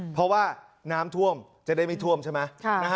เพราะว่าน้ำท่วมจะได้ไม่ท่วมใช่ไหม